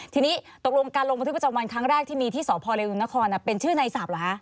ทีนี้ตกลงการลงบันทึกประจำวันครั้งแรกที่มีที่สพเรวนครเป็นชื่อในศัพท์เหรอคะ